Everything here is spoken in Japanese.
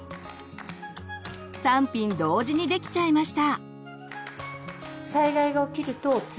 ３品同時にできちゃいました！